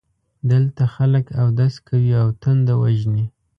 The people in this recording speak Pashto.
دلته خلک اودس کوي او تنده وژني.